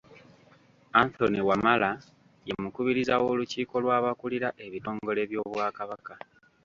Anthony Wamala ye mukubiriza w'olukiiko lw'abakulira ebitongole by'Obwakabaka.